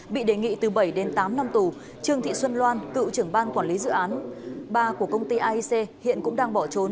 bị đề nghị từ bảy đến tám năm tù trương thị xuân loan cựu trưởng ban quản lý dự án ba của công ty aic hiện cũng đang bỏ trốn